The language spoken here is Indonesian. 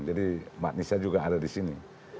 jadi mbak nisa juga ada di sini